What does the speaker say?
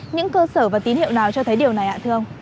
những cơ sở và tín hiệu nào cho thấy điều này ạ thưa ông